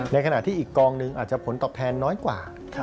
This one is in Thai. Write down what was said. ในขณะที่อีกกองหนึ่งอาจจะผลตอบแทนน้อยกว่า